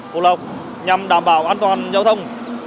phú lộc nhằm đảm bảo an toàn giao thông